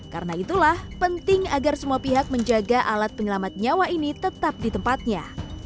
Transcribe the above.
karena itulah penting agar semua pihak menjaga alat penyelamat nyawa ini tetap di tempatnya